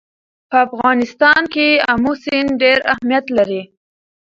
په افغانستان کې آمو سیند ډېر اهمیت لري.